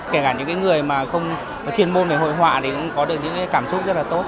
kể cả những người không chuyên môn về hội họa cũng có được những cảm xúc rất là tốt